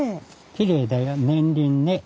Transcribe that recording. きれいだよ。年輪ね。